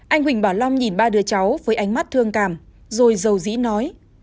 anh huỳnh bảo long nhìn ba đứa cháu với ánh mắt thương cảm rồi giàu dĩ nói